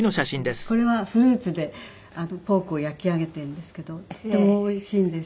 これはフルーツでポークを焼き上げているんですけどとってもおいしいんです。